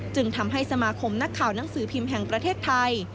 จึงทำให้สมาคมนักข่าวหนังสือพิมพ์แห่งประเทศไทย